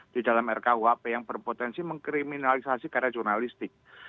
di dalam rkuhp yang berpotensi mengkriminalisasi karya jurnalistik